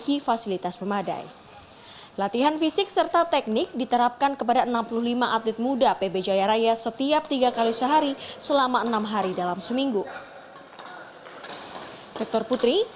kalau harus latihan setiap hari untuk capai target